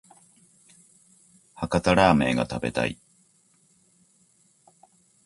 博多ラーメンが食べたい